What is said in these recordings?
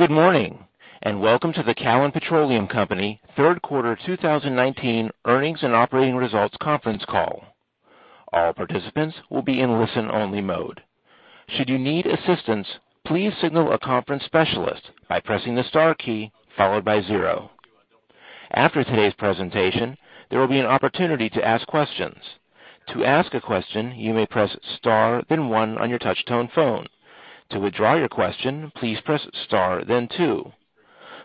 Good morning, and welcome to the Callon Petroleum Company third quarter 2019 earnings and operating results conference call. All participants will be in listen-only mode. Should you need assistance, please signal a conference specialist by pressing the star key, followed by zero. After today's presentation, there will be an opportunity to ask questions. To ask a question, you may press star then one on your touch-tone phone. To withdraw your question, please press star then two.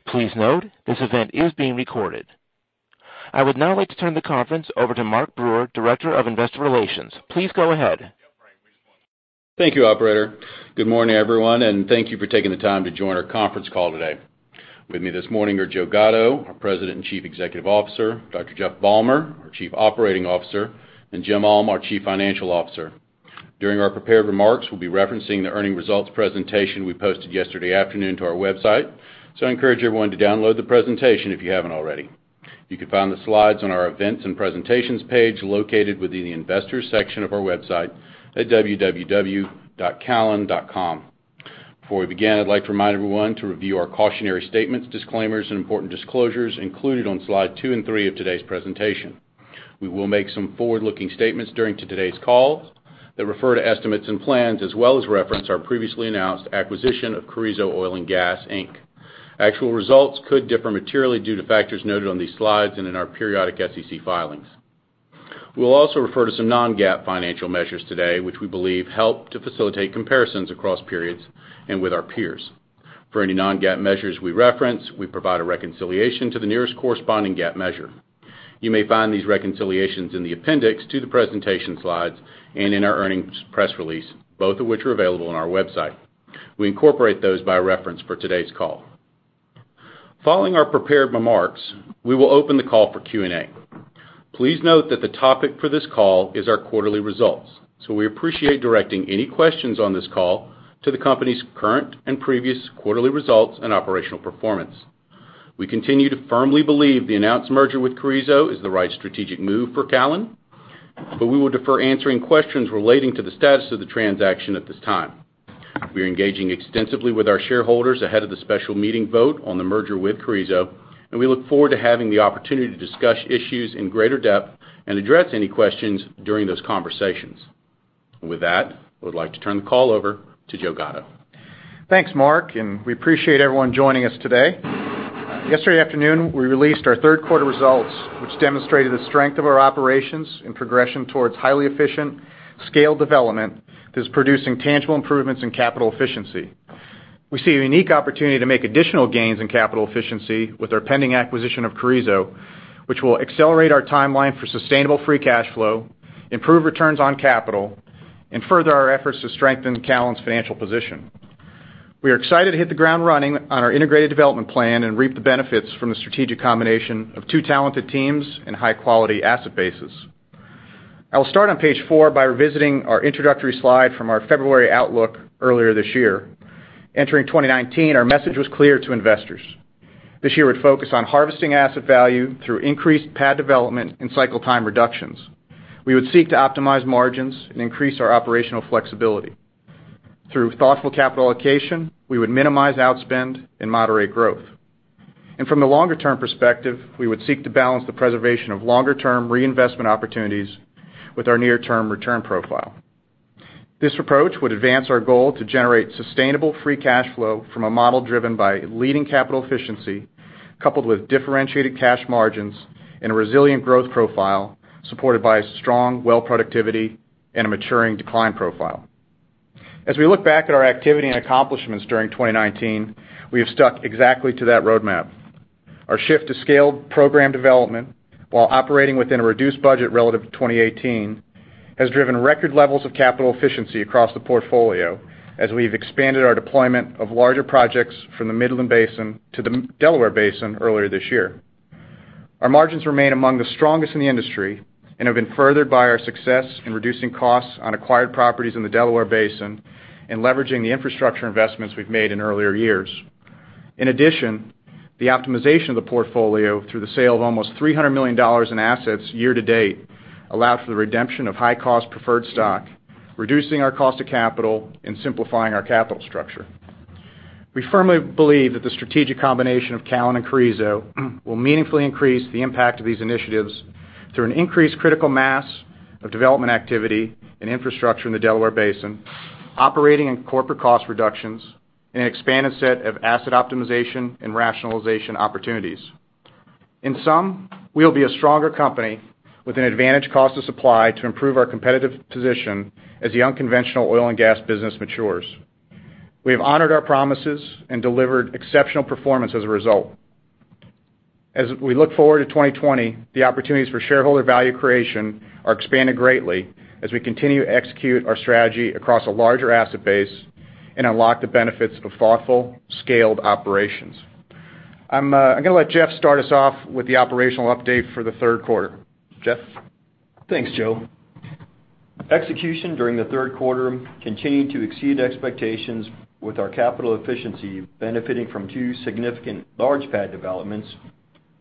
Please note, this event is being recorded. I would now like to turn the conference over to Mark Brewer, Director of Investor Relations. Please go ahead. Thank you, operator. Good morning, everyone. Thank you for taking the time to join our conference call today. With me this morning are Joe Gatto, our President and Chief Executive Officer, Dr. Jeff Balmer, our Chief Operating Officer, and James Ulm, our Chief Financial Officer. During our prepared remarks, we'll be referencing the earnings results presentation we posted yesterday afternoon to our website. I encourage everyone to download the presentation if you haven't already. You can find the slides on our Events and Presentations page, located within the Investors section of our website at www.callon.com. Before we begin, I'd like to remind everyone to review our cautionary statements, disclaimers, and important disclosures included on slide two and three of today's presentation. We will make some forward-looking statements during today's call that refer to estimates and plans, as well as reference our previously announced acquisition of Carrizo Oil & Gas, Inc. Actual results could differ materially due to factors noted on these slides and in our periodic SEC filings. We will also refer to some non-GAAP financial measures today, which we believe help to facilitate comparisons across periods and with our peers. For any non-GAAP measures we reference, we provide a reconciliation to the nearest corresponding GAAP measure. You may find these reconciliations in the appendix to the presentation slides and in our earnings press release, both of which are available on our website. We incorporate those by reference for today's call. Following our prepared remarks, we will open the call for Q&A. Please note that the topic for this call is our quarterly results, so we appreciate directing any questions on this call to the company's current and previous quarterly results and operational performance. We continue to firmly believe the announced merger with Carrizo is the right strategic move for Callon, but we will defer answering questions relating to the status of the transaction at this time. We are engaging extensively with our shareholders ahead of the special meeting vote on the merger with Carrizo, and we look forward to having the opportunity to discuss issues in greater depth and address any questions during those conversations. With that, I would like to turn the call over to Joe Gatto. Thanks, Mark, and we appreciate everyone joining us today. Yesterday afternoon, we released our third quarter results, which demonstrated the strength of our operations and progression towards highly efficient scaled development that is producing tangible improvements in capital efficiency. We see a unique opportunity to make additional gains in capital efficiency with our pending acquisition of Carrizo, which will accelerate our timeline for sustainable free cash flow, improve returns on capital, and further our efforts to strengthen Callon's financial position. We are excited to hit the ground running on our integrated development plan and reap the benefits from the strategic combination of two talented teams and high-quality asset bases. I will start on page four by revisiting our introductory slide from our February outlook earlier this year. Entering 2019, our message was clear to investors. This year would focus on harvesting asset value through increased pad development and cycle time reductions. We would seek to optimize margins and increase our operational flexibility. Through thoughtful capital allocation, we would minimize outspend and moderate growth. From the longer-term perspective, we would seek to balance the preservation of longer-term reinvestment opportunities with our near-term return profile. This approach would advance our goal to generate sustainable free cash flow from a model driven by leading capital efficiency, coupled with differentiated cash margins and a resilient growth profile, supported by strong well productivity and a maturing decline profile. As we look back at our activity and accomplishments during 2019, we have stuck exactly to that roadmap. Our shift to scaled program development while operating within a reduced budget relative to 2018 has driven record levels of capital efficiency across the portfolio as we've expanded our deployment of larger projects from the Midland Basin to the Delaware Basin earlier this year. Our margins remain among the strongest in the industry and have been furthered by our success in reducing costs on acquired properties in the Delaware Basin and leveraging the infrastructure investments we've made in earlier years. In addition, the optimization of the portfolio through the sale of almost $300 million in assets year to date allowed for the redemption of high-cost preferred stock, reducing our cost of capital and simplifying our capital structure. We firmly believe that the strategic combination of Callon and Carrizo will meaningfully increase the impact of these initiatives through an increased critical mass of development activity and infrastructure in the Delaware Basin, operating and corporate cost reductions, and an expanded set of asset optimization and rationalization opportunities. In sum, we will be a stronger company with an advantage cost of supply to improve our competitive position as the unconventional oil and gas business matures. We have honored our promises and delivered exceptional performance as a result. As we look forward to 2020, the opportunities for shareholder value creation are expanded greatly as we continue to execute our strategy across a larger asset base and unlock the benefits of thoughtful, scaled operations. I'm gonna let Jeff start us off with the operational update for the third quarter. Jeff? Thanks, Joe. Execution during the third quarter continued to exceed expectations with our capital efficiency benefiting from two significant large pad developments,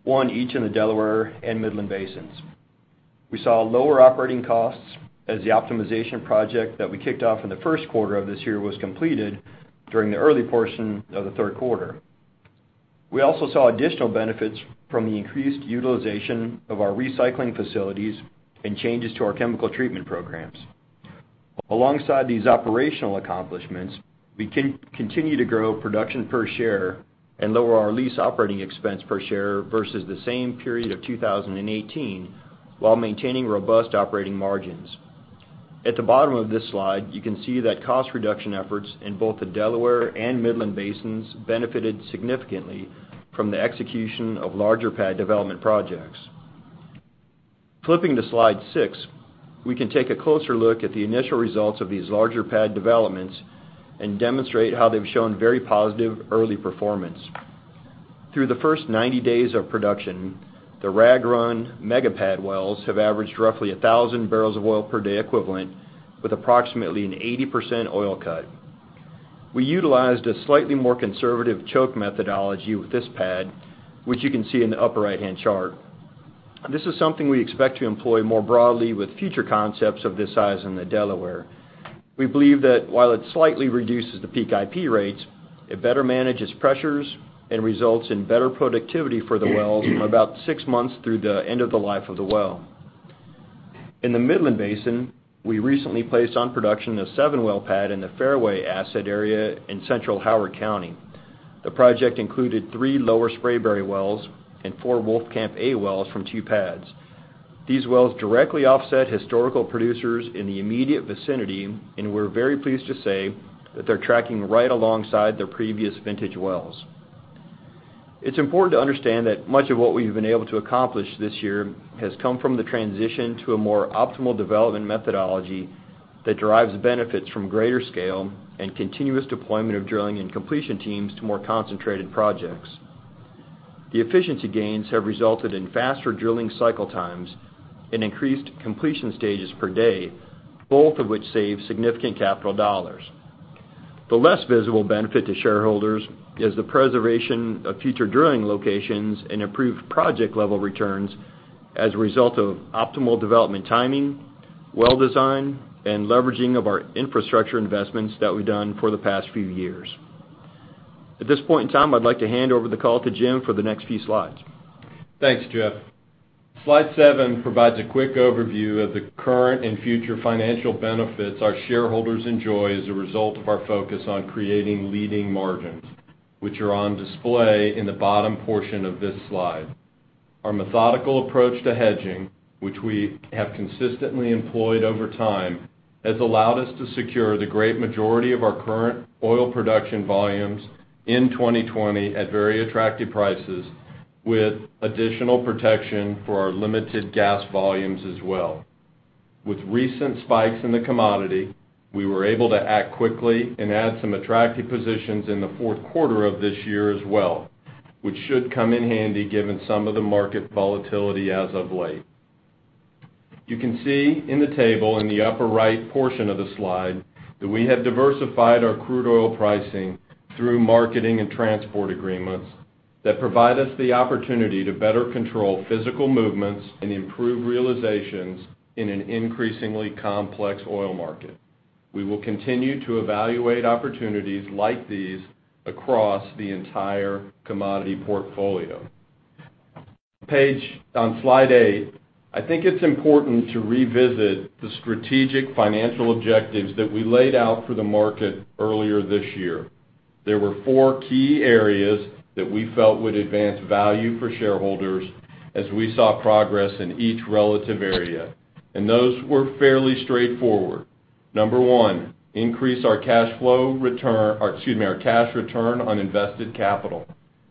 one each in the Delaware and Midland basins. We saw lower operating costs as the optimization project that we kicked off in the first quarter of this year was completed during the early portion of the third quarter. We also saw additional benefits from the increased utilization of our recycling facilities and changes to our chemical treatment programs. Alongside these operational accomplishments, we continue to grow production per share and lower our lease operating expense per share versus the same period of 2018, while maintaining robust operating margins. At the bottom of this slide, you can see that cost reduction efforts in both the Delaware and Midland basins benefited significantly from the execution of larger pad development projects. Flipping to Slide six, we can take a closer look at the initial results of these larger pad developments and demonstrate how they've shown very positive early performance. Through the first 90 days of production, the Rag Run mega pad wells have averaged roughly 1,000 barrels of oil per day equivalent with approximately an 80% oil cut. We utilized a slightly more conservative choke methodology with this pad, which you can see in the upper right-hand chart. This is something we expect to employ more broadly with future concepts of this size in the Delaware. We believe that while it slightly reduces the peak IP rates, it better manages pressures and results in better productivity for the wells from about six months through the end of the life of the well. In the Midland Basin, we recently placed on production a seven-well pad in the Fairway asset area in central Howard County. The project included three Lower Spraberry wells and four Wolfcamp A wells from two pads. These wells directly offset historical producers in the immediate vicinity, and we're very pleased to say that they're tracking right alongside their previous vintage wells. It's important to understand that much of what we've been able to accomplish this year has come from the transition to a more optimal development methodology that derives benefits from greater scale and continuous deployment of drilling and completion teams to more concentrated projects. The efficiency gains have resulted in faster drilling cycle times and increased completion stages per day, both of which save significant capital dollars. The less visible benefit to shareholders is the preservation of future drilling locations and improved project-level returns as a result of optimal development timing, well design, and leveraging of our infrastructure investments that we've done for the past few years. At this point in time, I'd like to hand over the call to Jim for the next few slides. Thanks, Jeff. Slide seven provides a quick overview of the current and future financial benefits our shareholders enjoy as a result of our focus on creating leading margins, which are on display in the bottom portion of this slide. Our methodical approach to hedging, which we have consistently employed over time, has allowed us to secure the great majority of our current oil production volumes in 2020 at very attractive prices, with additional protection for our limited gas volumes as well. With recent spikes in the commodity, we were able to act quickly and add some attractive positions in the fourth quarter of this year as well, which should come in handy given some of the market volatility as of late. You can see in the table in the upper right portion of the slide that we have diversified our crude oil pricing through marketing and transport agreements that provide us the opportunity to better control physical movements and improve realizations in an increasingly complex oil market. We will continue to evaluate opportunities like these across the entire commodity portfolio. On Slide eight, I think it's important to revisit the strategic financial objectives that we laid out for the market earlier this year. There were four key areas that we felt would advance value for shareholders as we saw progress in each relative area. Those were fairly straightforward. Number one, increase our cash return on invested capital.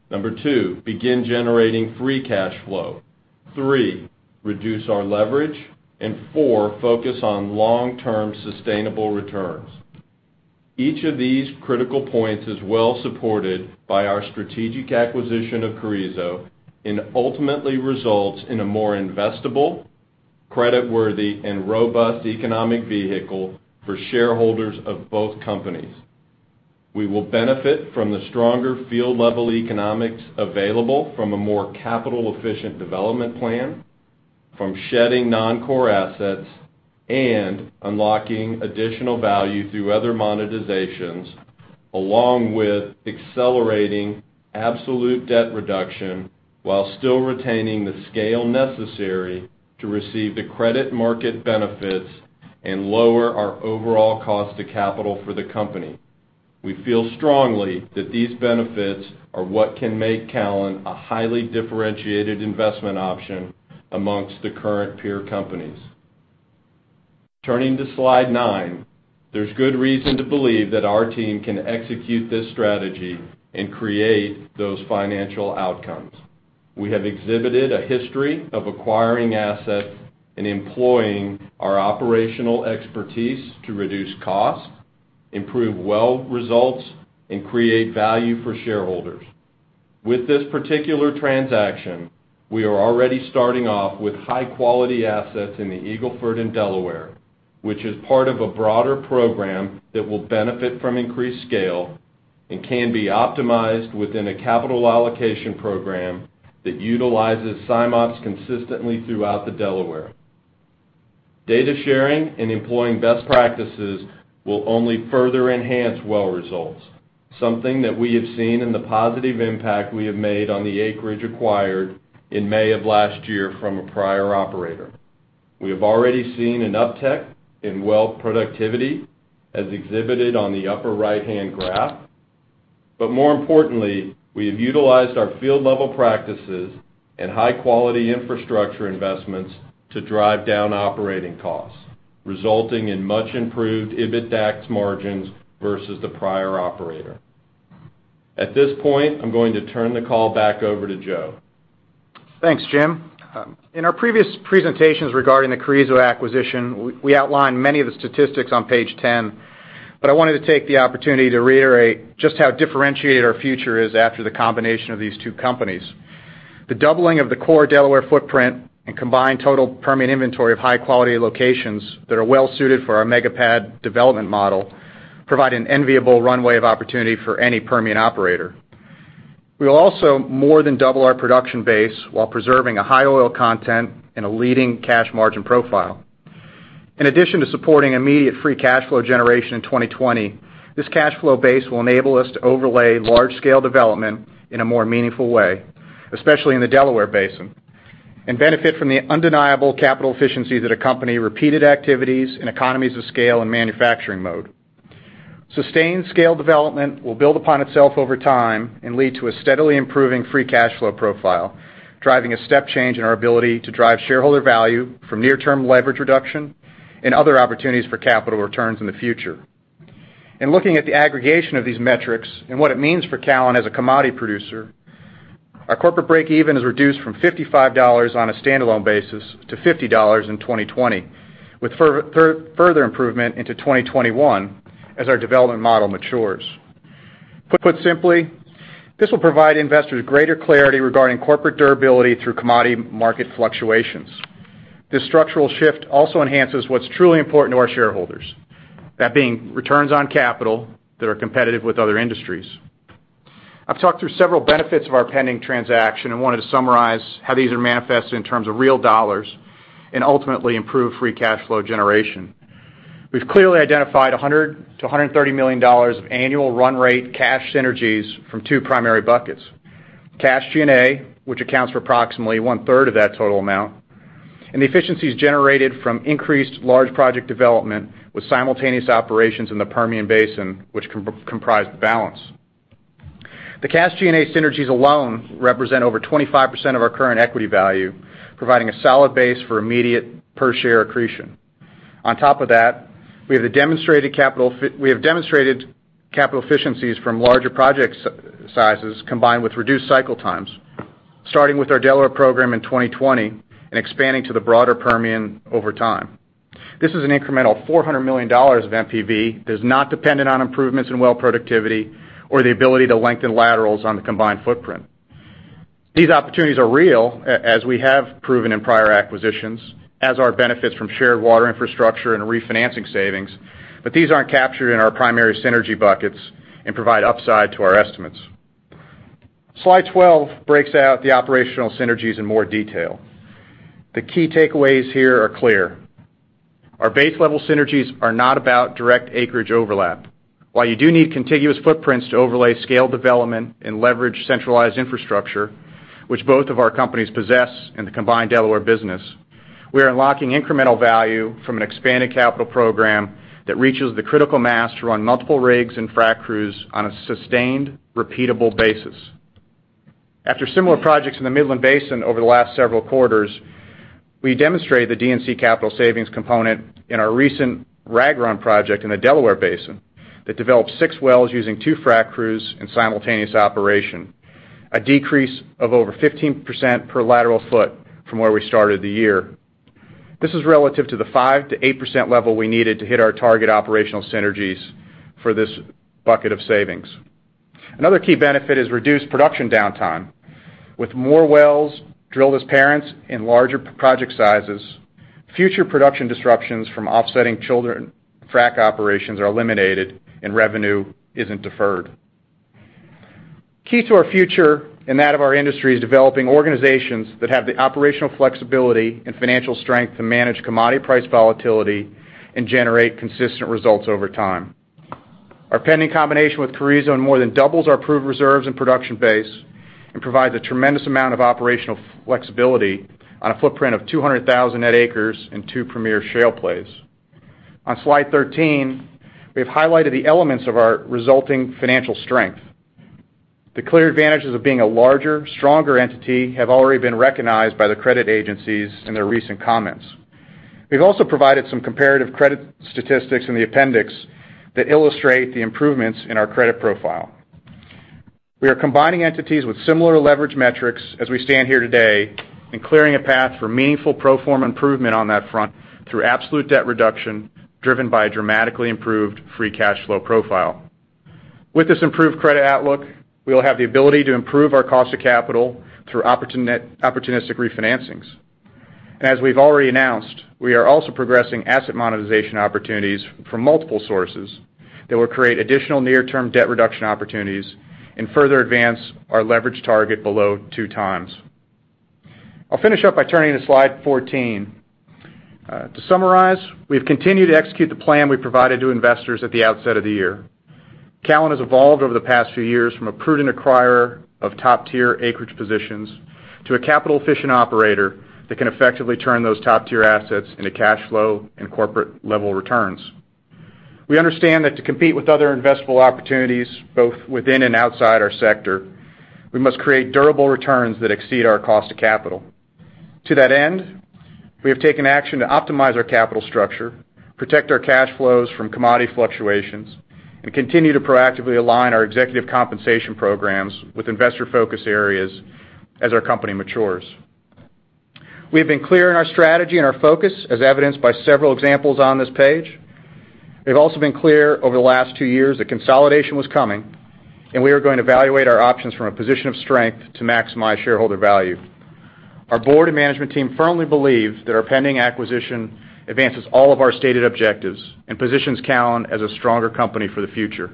Number two, begin generating free cash flow. Three, reduce our leverage, and four, focus on long-term sustainable returns. Each of these critical points is well supported by our strategic acquisition of Carrizo and ultimately results in a more investable, creditworthy, and robust economic vehicle for shareholders of both companies. We will benefit from the stronger field-level economics available from a more capital-efficient development plan, from shedding non-core assets, and unlocking additional value through other monetizations, along with accelerating absolute debt reduction while still retaining the scale necessary to receive the credit market benefits and lower our overall cost of capital for the company. We feel strongly that these benefits are what can make Callon a highly differentiated investment option amongst the current peer companies. Turning to Slide nine, there's good reason to believe that our team can execute this strategy and create those financial outcomes. We have exhibited a history of acquiring assets and employing our operational expertise to reduce costs, improve well results, and create value for shareholders. With this particular transaction, we are already starting off with high-quality assets in the Eagle Ford and Delaware, which is part of a broader program that will benefit from increased scale, and can be optimized within a capital allocation program that utilizes SIMOPS consistently throughout the Delaware. Data sharing and employing best practices will only further enhance well results, something that we have seen in the positive impact we have made on the acreage acquired in May of last year from a prior operator. We have already seen an uptick in well productivity, as exhibited on the upper right-hand graph. More importantly, we have utilized our field-level practices and high-quality infrastructure investments to drive down operating costs, resulting in much improved EBITDAX margins versus the prior operator. At this point, I'm going to turn the call back over to Joe. Thanks, Jim. In our previous presentations regarding the Carrizo acquisition, we outlined many of the statistics on page 10. I wanted to take the opportunity to reiterate just how differentiated our future is after the combination of these two companies. The doubling of the core Delaware footprint and combined total Permian inventory of high-quality locations that are well suited for our mega-pad development model provide an enviable runway of opportunity for any Permian operator. We will also more than double our production base while preserving a high oil content and a leading cash margin profile. In addition to supporting immediate free cash flow generation in 2020, this cash flow base will enable us to overlay large-scale development in a more meaningful way, especially in the Delaware Basin, and benefit from the undeniable capital efficiency that accompany repeated activities and economies of scale in manufacturing mode. Sustained scale development will build upon itself over time and lead to a steadily improving free cash flow profile, driving a step change in our ability to drive shareholder value from near-term leverage reduction and other opportunities for capital returns in the future. In looking at the aggregation of these metrics and what it means for Callon as a commodity producer, our corporate breakeven is reduced from $55 on a standalone basis to $50 in 2020, with further improvement into 2021 as our development model matures. Put simply, this will provide investors greater clarity regarding corporate durability through commodity market fluctuations. This structural shift also enhances what's truly important to our shareholders, that being returns on capital that are competitive with other industries. I've talked through several benefits of our pending transaction and wanted to summarize how these are manifested in terms of real dollars and ultimately improved free cash flow generation. We've clearly identified $100 million-$130 million of annual run rate cash synergies from two primary buckets. Cash G&A, which accounts for approximately one-third of that total amount, and the efficiencies generated from increased large project development with simultaneous operations in the Permian Basin, which comprise the balance. The cash G&A synergies alone represent over 25% of our current equity value, providing a solid base for immediate per-share accretion. On top of that, we have demonstrated capital efficiencies from larger project sizes combined with reduced cycle times, starting with our Delaware program in 2020 and expanding to the broader Permian over time. This is an incremental $400 million of NPV that is not dependent on improvements in well productivity or the ability to lengthen laterals on the combined footprint. These opportunities are real, as we have proven in prior acquisitions, as are benefits from shared water infrastructure and refinancing savings, but these aren't captured in our primary synergy buckets and provide upside to our estimates. Slide 12 breaks out the operational synergies in more detail. The key takeaways here are clear. Our base-level synergies are not about direct acreage overlap. While you do need contiguous footprints to overlay scale development and leverage centralized infrastructure, which both of our companies possess in the combined Delaware business, we are unlocking incremental value from an expanded capital program that reaches the critical mass to run multiple rigs and frac crews on a sustained, repeatable basis. After similar projects in the Midland Basin over the last several quarters, we demonstrated the D&C capital savings component in our recent Rag Run project in the Delaware Basin that developed six wells using two frac crews and simultaneous operation, a decrease of over 15% per lateral foot from where we started the year. This is relative to the 5%-8% level we needed to hit our target operational synergies for this bucket of savings. Another key benefit is reduced production downtime. With more wells drilled as parents in larger project sizes, future production disruptions from offsetting children frac operations are eliminated and revenue isn't deferred. Key to our future and that of our industry is developing organizations that have the operational flexibility and financial strength to manage commodity price volatility and generate consistent results over time. Our pending combination with Carrizo more than doubles our approved reserves and production base and provides a tremendous amount of operational flexibility on a footprint of 200,000 net acres in two premier shale plays. On slide 13, we've highlighted the elements of our resulting financial strength. The clear advantages of being a larger, stronger entity have already been recognized by the credit agencies in their recent comments. We've also provided some comparative credit statistics in the appendix that illustrate the improvements in our credit profile. We are combining entities with similar leverage metrics as we stand here today and clearing a path for meaningful pro forma improvement on that front through absolute debt reduction driven by a dramatically improved free cash flow profile. With this improved credit outlook, we will have the ability to improve our cost of capital through opportunistic refinancings. As we've already announced, we are also progressing asset monetization opportunities from multiple sources that will create additional near-term debt reduction opportunities and further advance our leverage target below two times. I'll finish up by turning to slide 14. To summarize, we've continued to execute the plan we provided to investors at the outset of the year. Callon has evolved over the past few years from a prudent acquirer of top-tier acreage positions to a capital-efficient operator that can effectively turn those top-tier assets into cash flow and corporate-level returns. We understand that to compete with other investable opportunities, both within and outside our sector, we must create durable returns that exceed our cost of capital. To that end, we have taken action to optimize our capital structure, protect our cash flows from commodity fluctuations, and continue to proactively align our executive compensation programs with investor focus areas as our company matures. We have been clear in our strategy and our focus, as evidenced by several examples on this page. We've also been clear over the last two years that consolidation was coming. We are going to evaluate our options from a position of strength to maximize shareholder value. Our board and management team firmly believe that our pending acquisition advances all of our stated objectives and positions Callon as a stronger company for the future.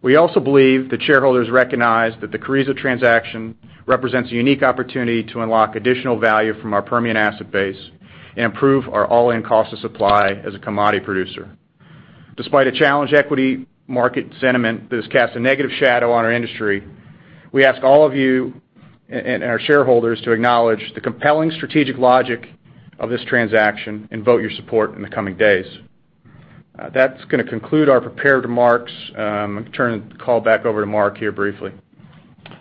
We also believe that shareholders recognize that the Carrizo transaction represents a unique opportunity to unlock additional value from our Permian asset base and improve our all-in cost of supply as a commodity producer. Despite a challenged equity market sentiment that has cast a negative shadow on our industry, we ask all of you and our shareholders to acknowledge the compelling strategic logic of this transaction and vote your support in the coming days. That's going to conclude our prepared remarks. I'm going to turn the call back over to Mark here briefly.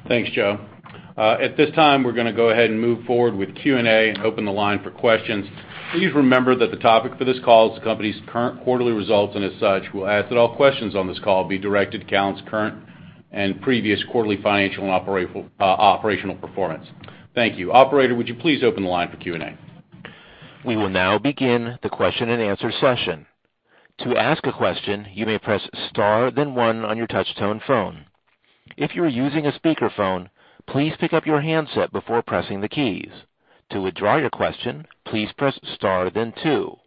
Thanks, Joe. At this time, we're going to go ahead and move forward with Q&A and open the line for questions. Please remember that the topic for this call is the company's current quarterly results, and as such, we'll ask that all questions on this call be directed to Callon's current and previous quarterly financial and operational performance. Thank you. Operator, would you please open the line for Q&A? We will now begin the question and answer session. To ask a question, you may press star then one on your touch tone phone. If you are using a speakerphone, please pick up your handset before pressing the keys. To withdraw your question, please press star then two.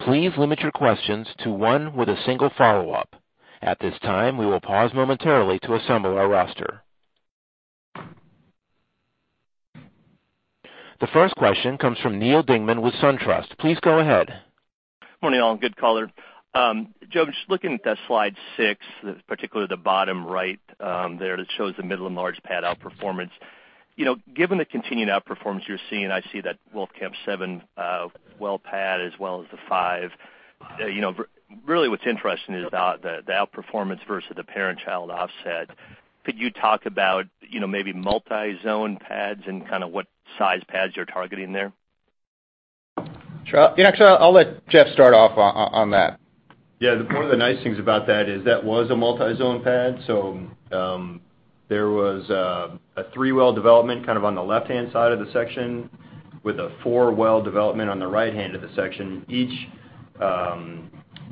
Please limit your questions to one with a single follow-up. At this time, we will pause momentarily to assemble our roster. The first question comes from Neal Dingmann with SunTrust. Please go ahead. Morning, all. Good call-in. Joe, just looking at that slide six, particularly the bottom right there that shows the middle and large pad outperformance. Given the continued outperformance you're seeing, I see that Wolfcamp seven well pad as well as the five. Really what's interesting is the outperformance versus the parent-child offset. Could you talk about maybe multi-zone pads and what size pads you're targeting there? Sure. Actually, I'll let Jeff start off on that. Yeah. One of the nice things about that is that was a multi-zone pad. There was a three-well development on the left-hand side of the section with a four-well development on the right-hand of the section. Each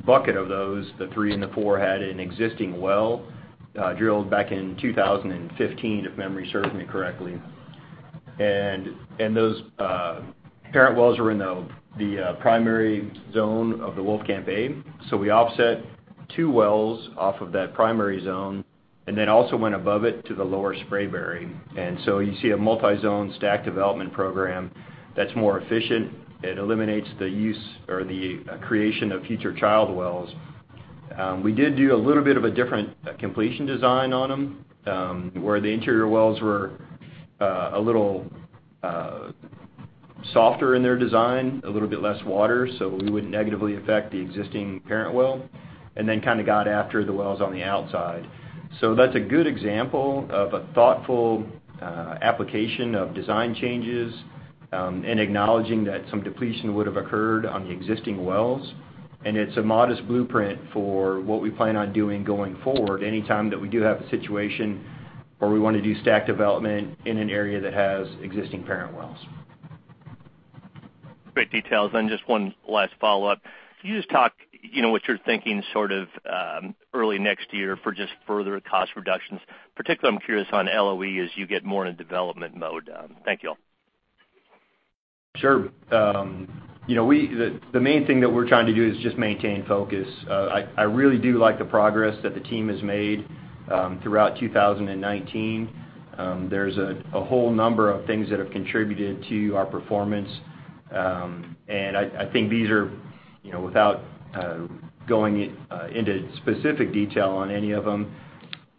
bucket of those, the three and the four, had an existing well drilled back in 2015, if memory serves me correctly. Those parent wells were in the primary zone of the Wolfcamp A. We offset two wells off of that primary zone, and then also went above it to the Lower Spraberry. You see a multi-zone stack development program that's more efficient. It eliminates the use or the creation of future child wells. We did do a little bit of a different completion design on them, where the interior wells were a little softer in their design, a little bit less water, so we wouldn't negatively affect the existing parent well, then got after the wells on the outside. That's a good example of a thoughtful application of design changes and acknowledging that some depletion would have occurred on the existing wells. It's a modest blueprint for what we plan on doing going forward anytime that we do have a situation where we want to do stack development in an area that has existing parent wells. Great details. Just one last follow-up. Can you just talk what you're thinking early next year for just further cost reductions? Particularly, I'm curious on LOE as you get more in a development mode. Thank you all. Sure. The main thing that we're trying to do is just maintain focus. I really do like the progress that the team has made throughout 2019. There's a whole number of things that have contributed to our performance. I think these are, without going into specific detail on any of them,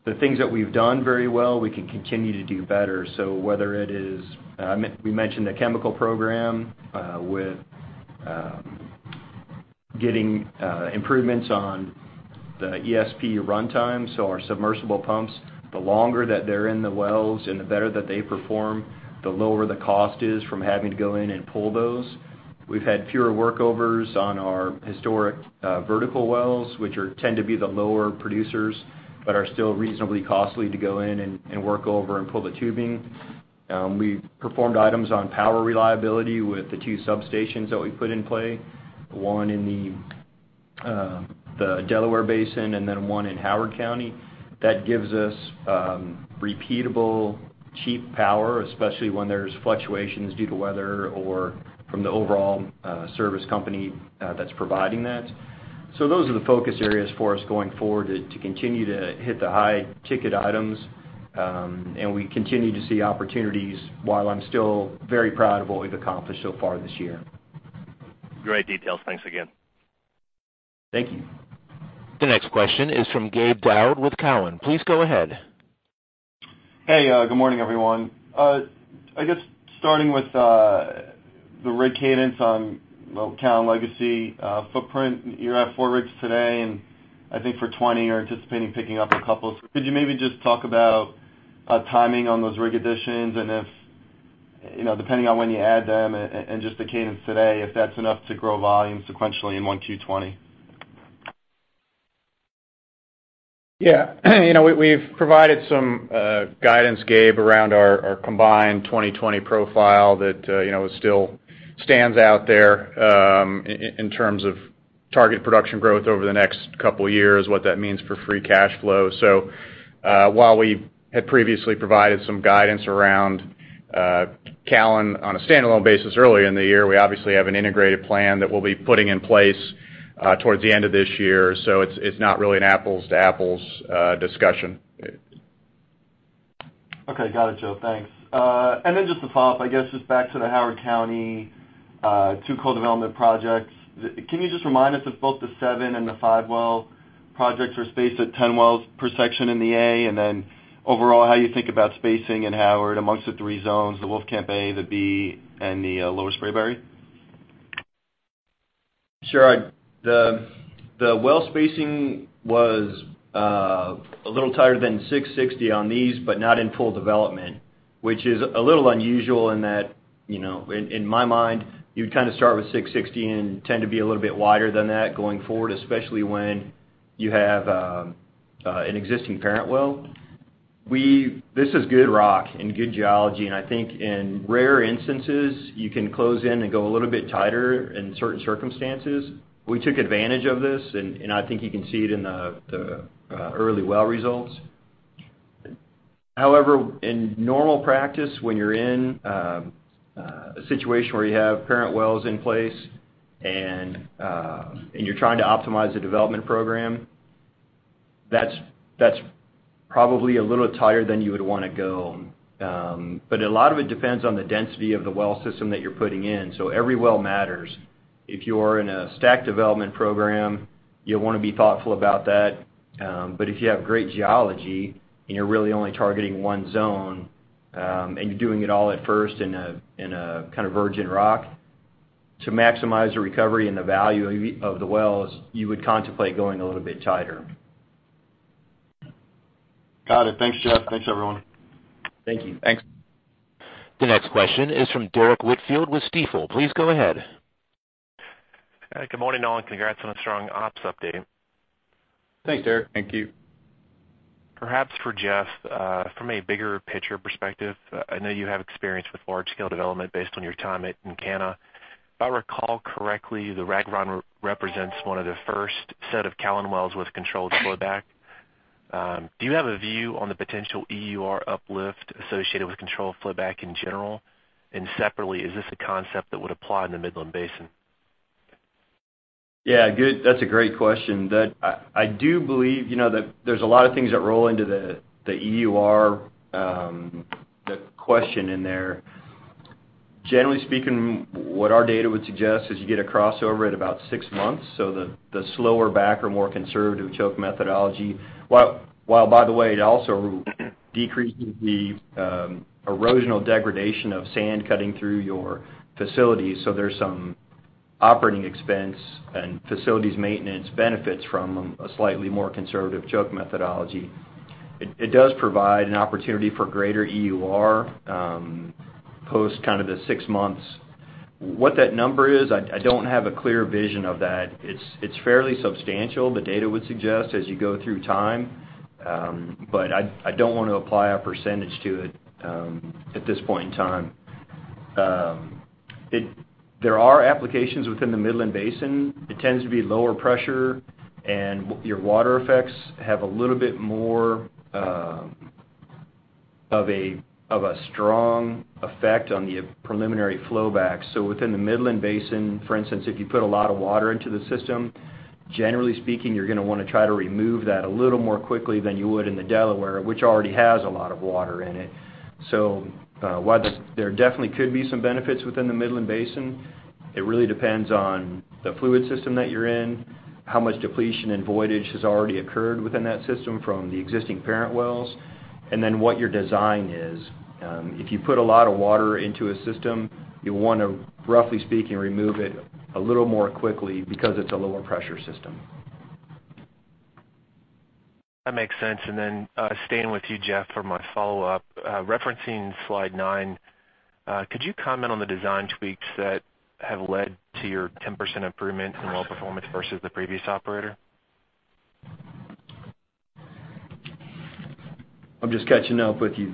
the things that we've done very well, we can continue to do better. Whether it is, we mentioned the chemical program with getting improvements on the ESP runtime. Our submersible pumps, the longer that they're in the wells and the better that they perform, the lower the cost is from having to go in and pull those. We've had fewer workovers on our historic vertical wells, which tend to be the lower producers but are still reasonably costly to go in and work over and pull the tubing. We performed items on power reliability with the two substations that we put in play, one in the Delaware Basin and one in Howard County. That gives us repeatable, cheap power, especially when there's fluctuations due to weather or from the overall service company that's providing that. Those are the focus areas for us going forward, to continue to hit the high-ticket items. We continue to see opportunities, while I'm still very proud of what we've accomplished so far this year. Great details. Thanks again. Thank you. The next question is from Gabe Daoud with Cowen. Please go ahead. Hey, good morning, everyone. I guess starting with the rig cadence on Callon legacy footprint. You're at four rigs today, and I think for 2020 you're anticipating picking up a couple. Could you maybe just talk about timing on those rig additions and if, depending on when you add them and just the cadence today, if that's enough to grow volume sequentially in 1Q 2020? Yeah. We've provided some guidance, Gabe, around our combined 2020 profile that still stands out there, in terms of target production growth over the next couple years, what that means for free cash flow. While we had previously provided some guidance around Callon on a standalone basis early in the year, we obviously have an integrated plan that we'll be putting in place towards the end of this year. It's not really an apples-to-apples discussion. Okay. Got it, Joe. Thanks. Then just to follow up, I guess just back to the Howard County two co-development projects. Can you just remind us if both the seven and the five-well projects are spaced at 10 wells per section in the A? Then overall, how you think about spacing in Howard amongst the three zones, the Wolfcamp A, the B, and the Lower Spraberry? Sure. The well spacing was a little tighter than 660 on these, but not in full development. Which is a little unusual in that, in my mind, you would kind of start with 660 and tend to be a little bit wider than that going forward, especially when you have an existing parent well. This is good rock and good geology, and I think in rare instances, you can close in and go a little bit tighter in certain circumstances. We took advantage of this, and I think you can see it in the early well results. However, in normal practice, when you're in a situation where you have parent wells in place and you're trying to optimize the development program, that's probably a little tighter than you would want to go. A lot of it depends on the density of the well system that you're putting in, so every well matters. If you're in a stack development program, you'll want to be thoughtful about that. If you have great geology and you're really only targeting one zone, and you're doing it all at first in a kind of virgin rock, to maximize the recovery and the value of the wells, you would contemplate going a little bit tighter. Got it. Thanks, Jeff. Thanks, everyone. Thank you. Thanks. The next question is from Derrick Whitfield with Stifel. Please go ahead. Good morning, all, and congrats on a strong ops update. Thanks, Derrick. Thank you. Perhaps for Jeff, from a bigger picture perspective, I know you have experience with large-scale development based on your time at Encana. If I recall correctly, the Rag Run represents one of the first set of Callon wells with controlled flowback. Do you have a view on the potential EUR uplift associated with controlled flowback in general? Separately, is this a concept that would apply in the Midland Basin? Yeah, that's a great question. I do believe that there's a lot of things that roll into the EUR, the question in there. Generally speaking, what our data would suggest is you get a crossover at about six months, the slower back or more conservative choke methodology. While, by the way, it also decreases the erosional degradation of sand cutting through your facilities, so there's some operating expense and facilities maintenance benefits from a slightly more conservative choke methodology. It does provide an opportunity for greater EUR, post the six months. What that number is, I don't have a clear vision of that. It's fairly substantial, the data would suggest, as you go through time. I don't want to apply a percentage to it at this point in time. There are applications within the Midland Basin. It tends to be lower pressure, and your water effects have a little bit more of a strong effect on the preliminary flowback. Within the Midland Basin, for instance, if you put a lot of water into the system, generally speaking, you're going to want to try to remove that a little more quickly than you would in the Delaware, which already has a lot of water in it. While there definitely could be some benefits within the Midland Basin, it really depends on the fluid system that you're in, how much depletion and voidage has already occurred within that system from the existing parent wells, and then what your design is. If you put a lot of water into a system, you'll want to, roughly speaking, remove it a little more quickly because it's a lower pressure system. That makes sense. Staying with you, Jeff, for my follow-up. Referencing slide nine, could you comment on the design tweaks that have led to your 10% improvement in well performance versus the previous operator? I'm just catching up with you.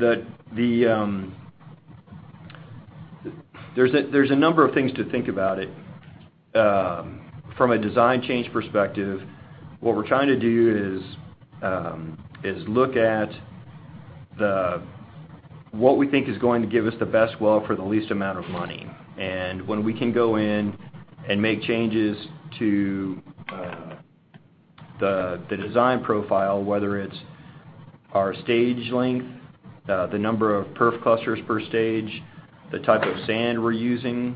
There's a number of things to think about it. From a design change perspective, what we're trying to do is look at what we think is going to give us the best well for the least amount of money. When we can go in and make changes to the design profile, whether it's our stage length, the number of perf clusters per stage, the type of sand we're using,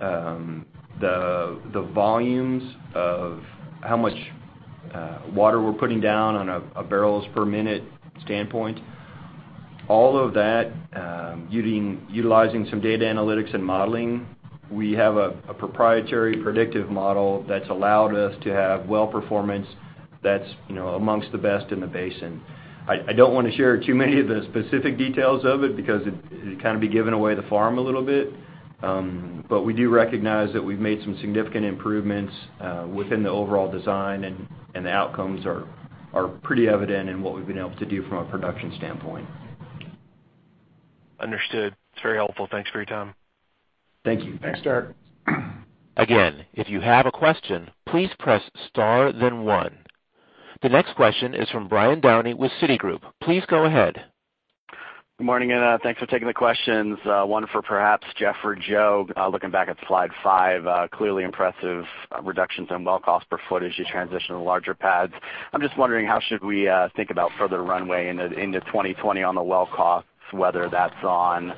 the volumes of how much water we're putting down on a barrels per minute standpoint, all of that, utilizing some data analytics and modeling. We have a proprietary predictive model that's allowed us to have well performance that's amongst the best in the basin. I don't want to share too many of the specific details of it because it'd be giving away the farm a little bit. We do recognize that we've made some significant improvements within the overall design, and the outcomes are pretty evident in what we've been able to do from a production standpoint. Understood. It's very helpful. Thanks for your time. Thank you. Thanks, Derrick. Again, if you have a question, please press star then one. The next question is from Brian Downey with Citigroup. Please go ahead. Good morning, thanks for taking the questions. One for perhaps Jeff or Joe, looking back at slide five, clearly impressive reductions in well cost per footage as you transition to larger pads. I'm just wondering how should we think about further runway into 2020 on the well costs, whether that's on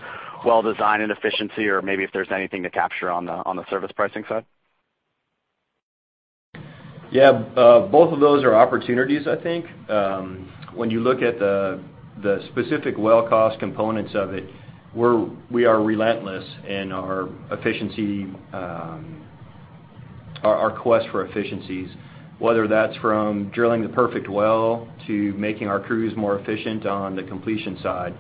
well design and efficiency or maybe if there's anything to capture on the service pricing side? Yeah. Both of those are opportunities, I think. When you look at the specific well cost components of it, we are relentless in our quest for efficiencies, whether that's from drilling the perfect well to making our crews more efficient on the completion side.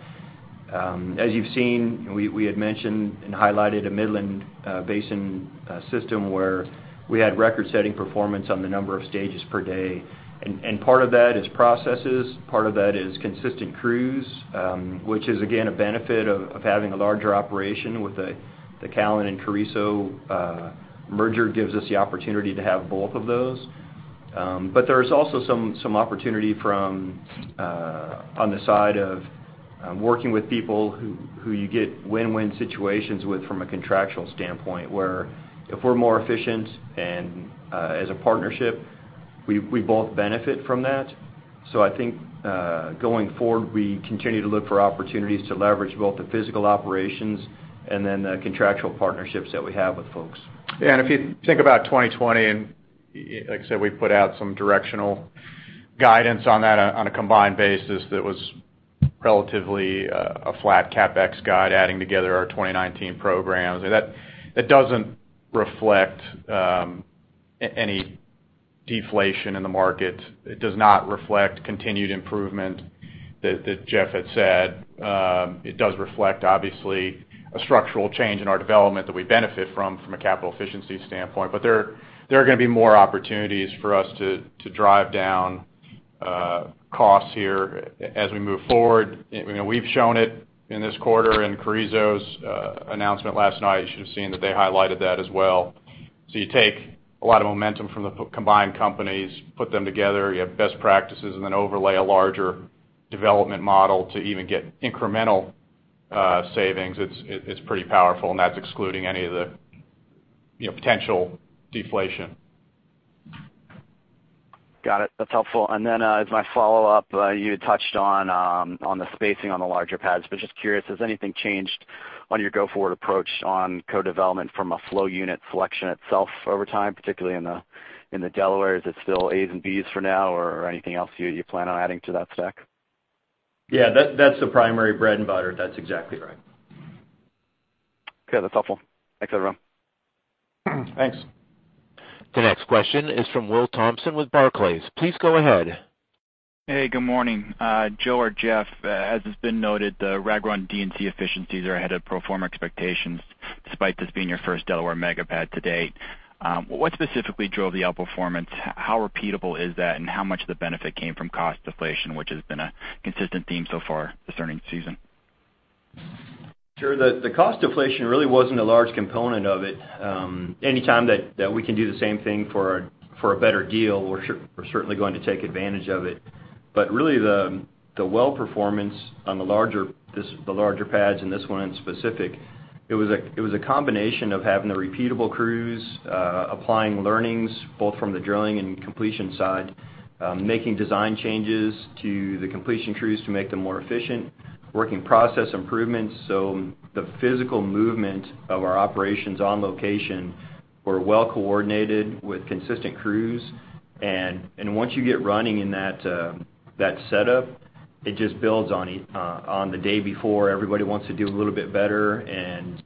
As you've seen, we had mentioned and highlighted a Midland Basin system where we had record-setting performance on the number of stages per day. Part of that is processes, part of that is consistent crews, which is again, a benefit of having a larger operation with the Callon and Carrizo merger gives us the opportunity to have both of those. There's also some opportunity from on the side of working with people who you get win-win situations with from a contractual standpoint, where if we're more efficient and as a partnership, we both benefit from that. I think, going forward, we continue to look for opportunities to leverage both the physical operations and then the contractual partnerships that we have with folks. If you think about 2020, and like I said, we put out some directional guidance on that on a combined basis that was relatively a flat CapEx guide, adding together our 2019 programs. That doesn't reflect any deflation in the market. It does not reflect continued improvement that Jeff had said. It does reflect, obviously, a structural change in our development that we benefit from a capital efficiency standpoint. There are going to be more opportunities for us to drive down costs here as we move forward. We've shown it in this quarter, in Carrizo's announcement last night, you should have seen that they highlighted that as well. You take a lot of momentum from the combined companies, put them together, you have best practices, and then overlay a larger development model to even get incremental savings. It's pretty powerful, and that's excluding any of the potential deflation. Got it. That's helpful. As my follow-up, you had touched on the spacing on the larger pads, but just curious, has anything changed on your go-forward approach on co-development from a flow unit selection itself over time, particularly in the Delaware? Is it still A's and B's for now or anything else you plan on adding to that stack? Yeah, that's the primary bread and butter. That's exactly right. Okay. That's helpful. Thanks, everyone. Thanks. The next question is from William Thompson with Barclays. Please go ahead. Hey, good morning. Joe or Jeff, as has been noted, the Rag Run D&C efficiencies are ahead of pro forma expectations, despite this being your first Delaware mega pad to date. What specifically drove the outperformance? How repeatable is that, and how much of the benefit came from cost deflation, which has been a consistent theme so far this earning season? Sure. The cost deflation really wasn't a large component of it. Any time that we can do the same thing for a better deal, we're certainly going to take advantage of it. Really the well performance on the larger pads and this one in specific, it was a combination of having the repeatable crews, applying learnings both from the drilling and completion side, making design changes to the completion crews to make them more efficient, working process improvements. The physical movement of our operations on location were well coordinated with consistent crews. Once you get running in that setup, it just builds on the day before. Everybody wants to do a little bit better, and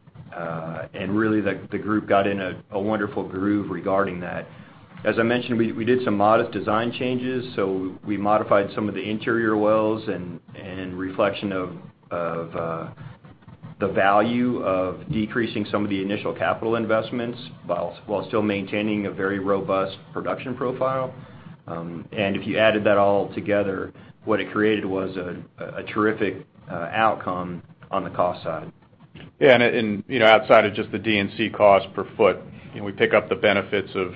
really, the group got in a wonderful groove regarding that. As I mentioned, we did some modest design changes. We modified some of the interior wells and reflection of the value of decreasing some of the initial capital investments while still maintaining a very robust production profile. If you added that all together, what it created was a terrific outcome on the cost side. Yeah. Outside of just the D&C cost per foot, we pick up the benefits of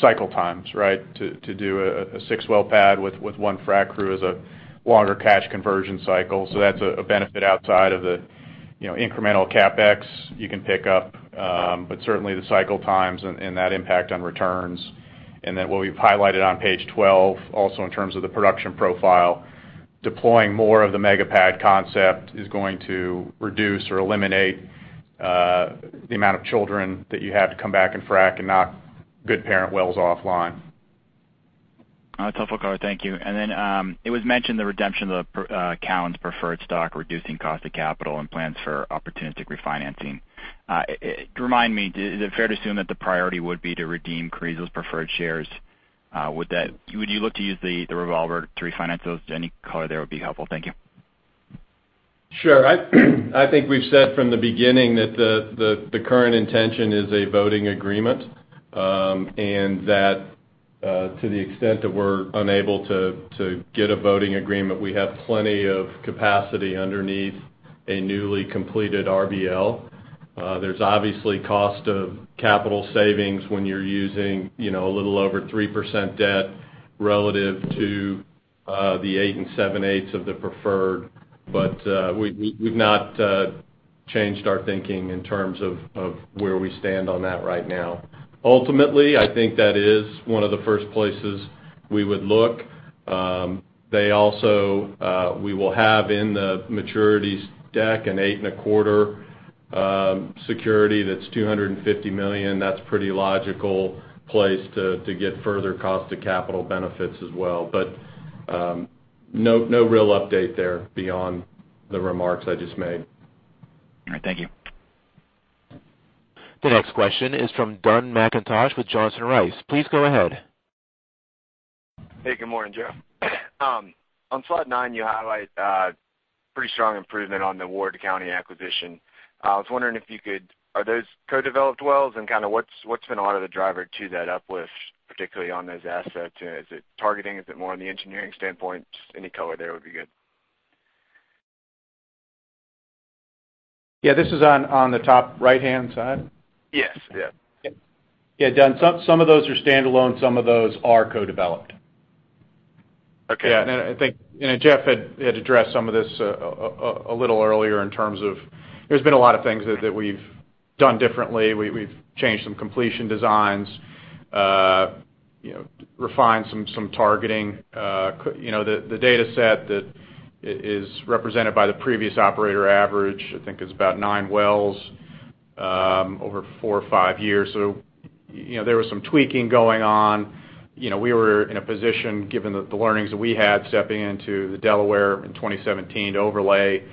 cycle times, right? To do a 6-well pad with one frac crew is a longer cash conversion cycle. That's a benefit outside of the incremental CapEx you can pick up, but certainly the cycle times and that impact on returns. What we've highlighted on page 12, also in terms of the production profile, deploying more of the mega pad concept is going to reduce or eliminate the amount of children that you have to come back and frac and knock good parent wells offline. All right. So far, thank you. It was mentioned the redemption of the Callon's preferred stock, reducing cost of capital and plans for opportunistic refinancing. Remind me, is it fair to assume that the priority would be to redeem Carrizo's preferred shares? Would you look to use the revolver to refinance those? Any color there would be helpful. Thank you. Sure. I think we've said from the beginning that the current intention is a voting agreement, to the extent that we're unable to get a voting agreement, we have plenty of capacity underneath a newly completed RBL. There's obviously cost of capital savings when you're using a little over 3% debt relative to the eight and seven-eighths of the preferred. We've not changed our thinking in terms of where we stand on that right now. Ultimately, I think that is one of the first places we would look. We will have in the maturities deck an eight-and-a-quarter security that's $250 million. That's pretty logical place to get further cost of capital benefits as well. No real update there beyond the remarks I just made. All right. Thank you. The next question is from Dun McIntosh with Johnson Rice. Please go ahead. Hey, good morning, Joe. On slide nine, you highlight pretty strong improvement on the Ward County acquisition. Are those co-developed wells? What's been a lot of the driver to that uplift, particularly on those assets? Is it targeting? Is it more on the engineering standpoint? Just any color there would be good. Yeah, this is on the top right-hand side? Yes. Yeah, Dun, some of those are standalone, some of those are co-developed. Okay. Yeah, I think Jeff had addressed some of this a little earlier in terms of there's been a lot of things that we've done differently. We've changed some completion designs, refined some targeting. The dataset that is represented by the previous operator average, I think is about nine wells, over four or five years. There was some tweaking going on. We were in a position, given the learnings that we had stepping into the Delaware in 2017 to overlay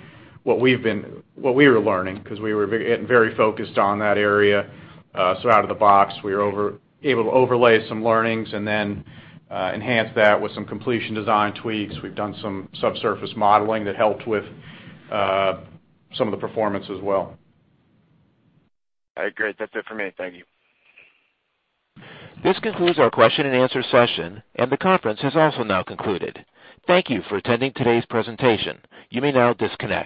what we were learning, because we were getting very focused on that area. Out of the box, we were able to overlay some learnings and then enhance that with some completion design tweaks. We've done some subsurface modeling that helped with some of the performance as well. All right, great. That's it for me. Thank you. This concludes our question and answer session, and the conference has also now concluded. Thank you for attending today's presentation. You may now disconnect.